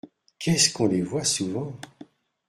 Qu’est-ce qu’on les voit souvent !